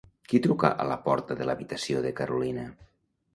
Qui truca a la porta de l'habitació de Carolina?